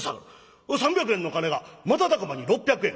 ３００円の金が瞬く間に６００円。